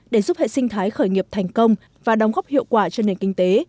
để giúp hệ sinh thái khởi nghiệp thành công và đóng góp hiệu quả cho nền kinh tế